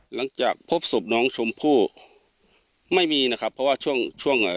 หลังจากพบศพน้องชมพู่ไม่มีนะครับเพราะว่าช่วงช่วงเอ่อ